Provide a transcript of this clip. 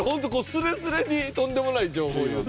スレスレにとんでもない情報を言う。